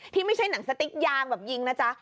ไม่ใช่หนังสติ๊กยางแบบยิงนะจ๊ะ